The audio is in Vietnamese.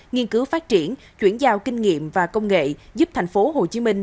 nghiên cứu phát triển chuyển giao kinh nghiệm và công nghệ giúp thành phố hồ chí minh